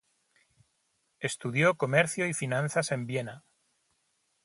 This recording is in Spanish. Estudió comercio y finanzas en Viena.